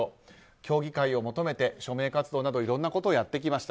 協議会を求めて署名活動などいろんなことをやってきました。